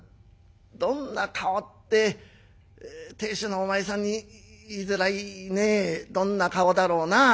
「どんな顔って亭主のお前さんに言いづらいねどんな顔だろうな。